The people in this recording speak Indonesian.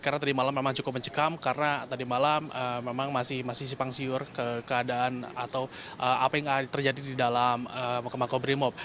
karena tadi malam memang cukup mencekam karena tadi malam memang masih sipang siur keadaan atau apa yang terjadi di dalam makobrimob